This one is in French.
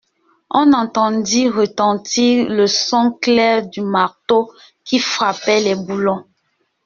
On entendit retentir le son clair du marteau qui frappait les boulons.